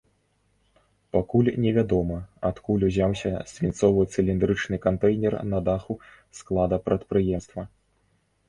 Пакуль невядома, адкуль узяўся свінцовы цыліндрычны кантэйнер на даху склада прадпрыемства.